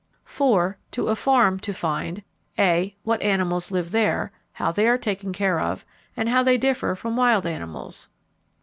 4. To a farm to find (a) What animals live there, how they are taken care of, and how they differ from wild animals.